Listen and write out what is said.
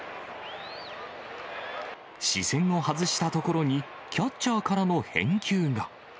視線を外したところに、キャッチャーからの返球が。